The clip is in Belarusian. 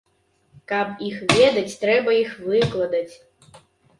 Каб іх ведаць, трэба іх выкладаць.